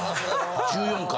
１４回。